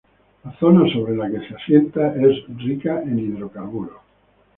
La zona sobre la que se asienta es rica en hidrocarburos.